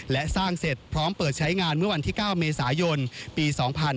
และสร้างเสร็จพร้อมเปิดใช้งานเมื่อวันที่๙เมษายนปี๒๕๕๙